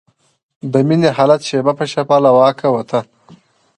د مينې حالت شېبه په شېبه له واکه وته.